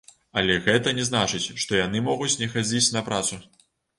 Але гэта не значыць, што яны могуць не хадзіць на працу.